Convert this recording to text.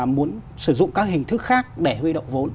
muốn sử dụng các hình thức khác để huy động vốn